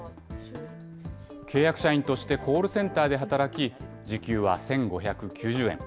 契約社員としてコールセンターで働き、時給は１５９０円。